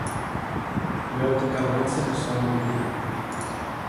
Le otto carrozze sono a due piani.